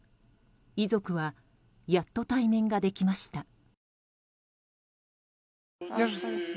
遺族はやっと対面ができました。